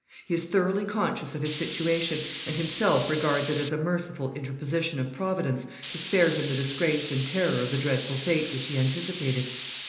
He is thoroughly conscious of his situation, and himself regards it as a merciful interposition of Providence to spare him the disgrace and terror of the dreadful fate, which he anticipated.